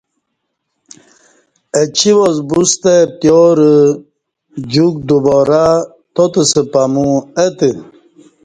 اہ چی واس بوستہ پتیار جوک دوبارہ تاتس پمو اہ تہ